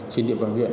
trên địa phương huyện